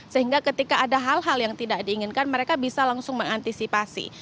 sehingga ketika ada hal hal yang tidak diinginkan mereka bisa langsung mengantisipasi